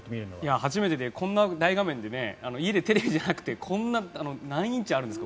初めてで、こんな大画面で家でテレビじゃなくてこれ、何インチあるんですか？